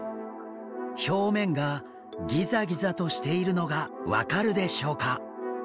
表面がギザギザとしているのが分かるでしょうか？